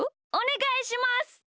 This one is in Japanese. おねがいします。